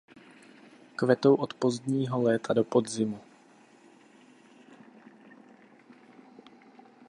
Kvetou od pozdního léta do podzimu.